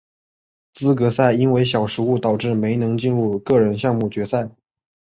资格赛因为小失误导致没能进入个人项目决赛。